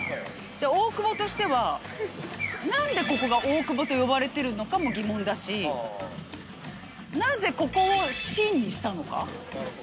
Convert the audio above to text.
で大久保としては何でここが大久保と呼ばれてるのかもギモンだしなぜここを「新」にしたのか？